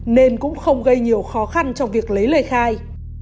nên cũng không gây nhiều khó khăn trong việc lấy lời khai